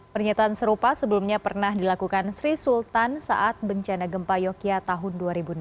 pernyataan serupa sebelumnya pernah dilakukan sri sultan saat bencana gempa yogyakarta tahun dua ribu enam